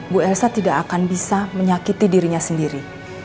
bu elsa tidak akan bisa menyakiti dirinya sendiri